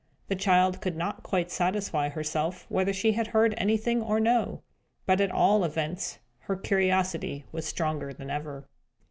The child could not quite satisfy herself whether she had heard anything or no. But, at all events, her curiosity was stronger than ever.